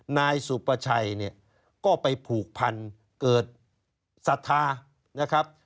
นายสุประชัยเนี่ยก็ไปผูกพันเกิดศรัทธานะครับ